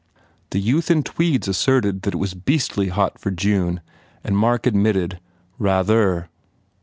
The youth in tweeds asserted that it was beastly hot for June and Mark admitted, "Rather."